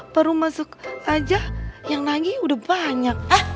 baru masuk aja yang lagi udah banyak